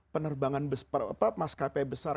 penerbangan mas kapal besar